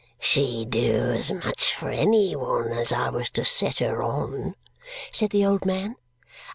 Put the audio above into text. "She'd do as much for any one I was to set her on," said the old man.